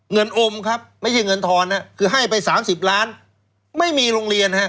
เงินอมครับไม่ใช่เงินทอนนะคือให้ไป๓๐ล้านไม่มีโรงเรียนฮะ